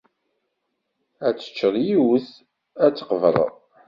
Ad teččeḍ yiwet, ad tqebṛeḍ.